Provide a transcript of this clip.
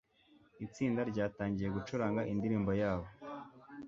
itsinda ryatangiye gucuranga indirimbo yabo